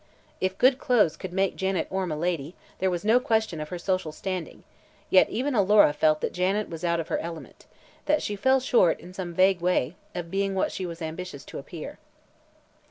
If good clothes could make Janet Orme a lady, there was no question of her social standing, yet even little Alora felt that Janet was out of her element that she fell short, in some vague way, of being what she was ambitious to appear.